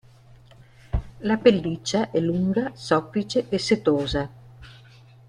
La pelliccia è lunga, soffice e setosa.